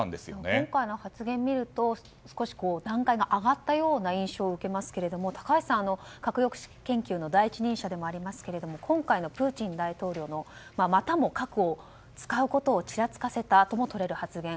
今回の発言を見ると少し段階が上がったような印象を受けますが高橋さん核抑止研究の第一人者でもありますが今回のプーチン大統領のまたも核を使うことをちらつかせたともとれる発言